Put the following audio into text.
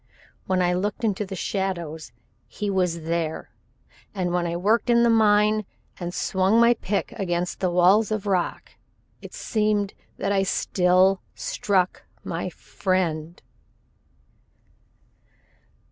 When I looked into the shadows, he was there, and when I worked in the mine and swung my pick against the walls of rock, it seemed that I still struck at my friend.